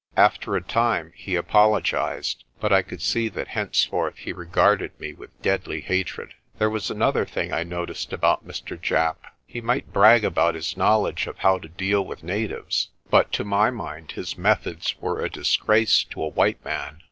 After a time he apologised, but I could see that henceforth he regarded me with deadly hatred. There was another thing I noticed about Mr. Japp. He might brag about his knowledge of how to deal with natives, but to my mind his methods were a disgrace to a white man.